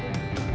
masih gak bohong